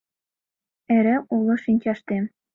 Эре уло шинчаштем;